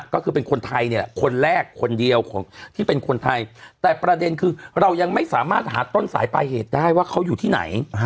ก็คือเป็นคนไทยเนี่ยแหละคนแรกคนเดียวของที่เป็นคนไทยแต่ประเด็นคือเรายังไม่สามารถหาต้นสายปลายเหตุได้ว่าเขาอยู่ที่ไหน